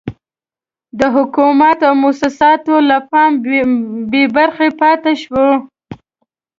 د حکومت او موسساتو له پام بې برخې پاتې شوي.